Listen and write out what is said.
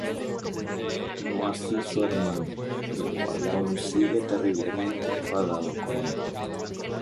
No así su hermano, el cual aun sigue terriblemente enfadado con ella.